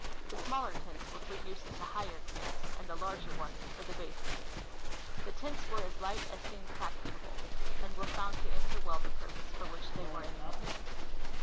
The smaller tents were for use in the higher cami)s, and the larger ones for the l.)ase camps. The tents were as light as seemed practicable, and were found to answer well the purpose for which they Avere intended.